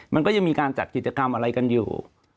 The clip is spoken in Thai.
มันก็ยังมีการจัดกิจกรรมอะไรกันอยู่